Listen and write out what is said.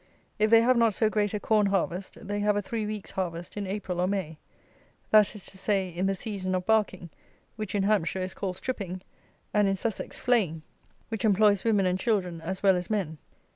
If they have not so great a corn harvest, they have a three weeks' harvest in April or May; that is to say, in the season of barking, which in Hampshire is called stripping, and in Sussex flaying, which employs women and children as well as men.